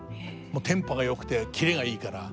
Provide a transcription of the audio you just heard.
テンポがよくてキレがいいから。